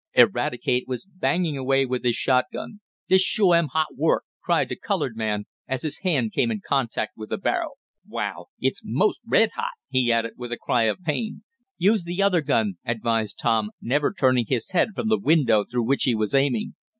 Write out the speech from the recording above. Eradicate was banging away with his shotgun. "Dis suah am hot work!" cried the colored man, as his hand came in contact with the barrel. "Wow! It's most RED hot!" he added with a cry of pain. "Use the other gun," advised Tom, never turning his head from the window through which he was aiming.